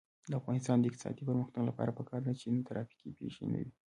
د افغانستان د اقتصادي پرمختګ لپاره پکار ده چې ترافیکي پیښې نه وي.